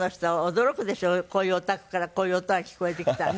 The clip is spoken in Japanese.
こういうお宅からこういう音が聞こえてきたらね。